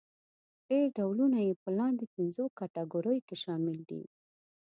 ډېری ډولونه يې په لاندې پنځو کټګوریو کې شامل دي.